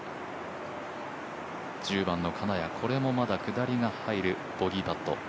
１０番の金谷、これもまだ下りが入るボギーパット。